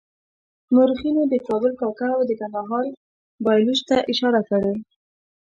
مورخینو د کابل کاکه او کندهار پایلوچ ته اشاره کړې.